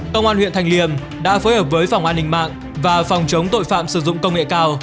công an huyện thành liêm đã phối hợp với phòng an ninh mạng và phòng chống tội phạm sử dụng công nghệ cao